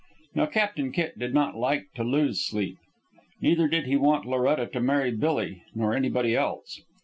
Now Captain Kitt did not like to lose sleep. Neither did he want Loretta to marry Billy nor anybody else.